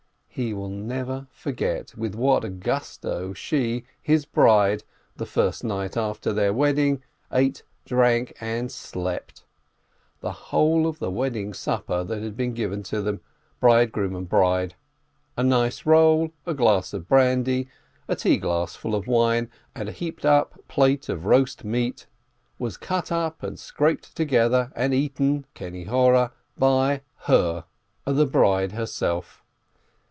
He will never forget with what gusto, she, his bride, the first night after their wedding, ate, drank, and slept — the whole of the wedding supper that had been given them, bridegroom and bride: a nice roll, a glass of brandy, a tea glass full of wine, and a heaped up plate of roast meat was cut up and scraped together and eaten (no evil eye !) by her, by the bride herself.